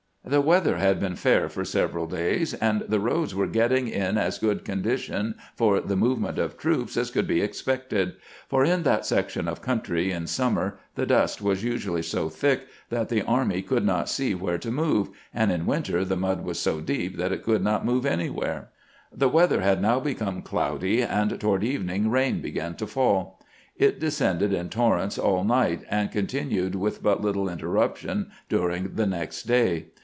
The weather had been fair for several days, and the roads were getting in as good condition for the movement of troops as could be expected ; for in that section of country in summer the dust was usually so thick that the army could not see where to move, and in winter the mud was so deep that it could not move anywhere. The weather had now become cloudy, and toward evening rain began to fall. It descended in tor rents all night, and continued with but little interrup tion during the next day.